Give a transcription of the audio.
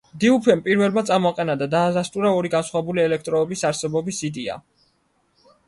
დიუფემ პირველმა წამოაყენა და დაადასტურა ორი განსხვავებული ელექტროობის არსებობის იდეა.